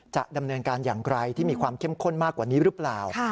จะดำเนินการอย่างไรที่มีความเข้มข้นมากกว่านี้หรือเปล่า